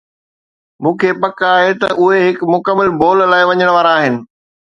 مون کي پڪ آهي ته اهي هڪ مڪمل بول لاء وڃڻ وارا آهن